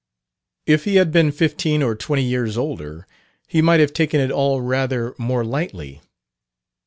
If he had been fifteen or twenty years older he might have taken it all rather more lightly.